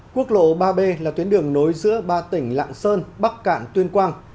quốc lộ ba b là tuyến đường nối giữa ba tỉnh lạng sơn bắc cạn tuyên quang